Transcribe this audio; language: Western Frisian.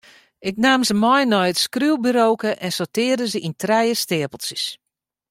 Ik naam se mei nei it skriuwburoke en sortearre se yn trije steapeltsjes.